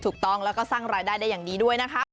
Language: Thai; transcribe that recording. ถูกต้องแล้วก็สร้างรายได้ได้อย่างดีด้วยนะคะ